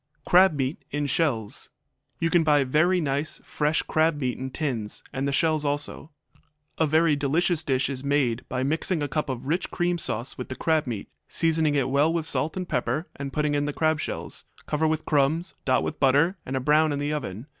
Crab Meat in Shells You can buy very nice, fresh crab meat in tins, and the shells also. A very delicious dish is made by mixing a cup of rich cream sauce with the crab meat, seasoning it well with salt and pepper and putting in the crab shells; cover with crumbs, dot with butter, and brown in the oven.